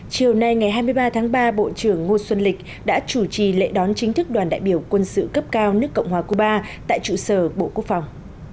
chiều nay ngày hai mươi ba tháng ba bộ trưởng ngô xuân lịch đã chủ trì lễ đón chính thức đoàn đại biểu quân sự cấp cao nước cộng hòa cuba tại trụ sở bộ quốc phòng